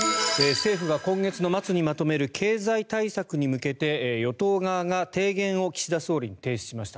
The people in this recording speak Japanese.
政府が今月末にまとめる経済対策に向けて与党側が提言を岸田総理に提出しました。